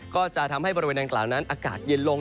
ก็จะทำให้บริเวณดังกล่าวนั้นอากาศเย็นลง